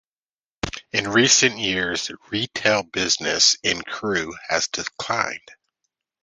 In recent years retail business in Crewe has declined.